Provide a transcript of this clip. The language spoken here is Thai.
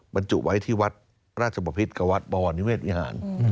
บรรจุไว้ที่วัดราชบพิษกับวัดบวรนิเวศวิหาร